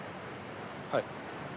はい。